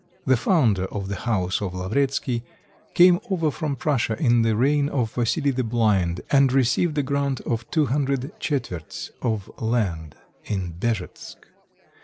The founder of the house of Lavretskky came over from Prussia in the reign of Vassili the Blind, and received a grant of two hundred chetverts of land in Byezhetsk.